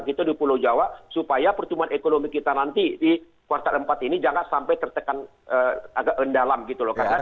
kita di pulau jawa supaya pertumbuhan ekonomi kita nanti di kuartal empat ini jangan sampai tertekan agak mendalam gitu loh